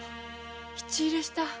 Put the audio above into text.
質入れした？